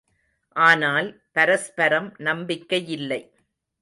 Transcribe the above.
ஆனால், பரஸ்பரம் நம்பிக்கையில்லை.